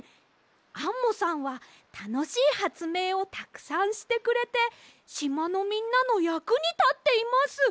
アンモさんはたのしいはつめいをたくさんしてくれてしまのみんなのやくにたっています！